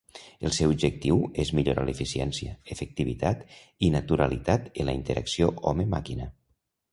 El seu objectiu és millorar l'eficiència, efectivitat i naturalitat en la interacció home-màquina.